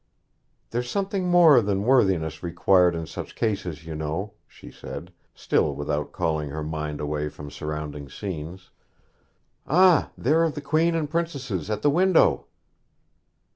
'There's something more than worthiness required in such cases, you know,' she said, still without calling her mind away from surrounding scenes. 'Ah, there are the Queen and princesses at the window!'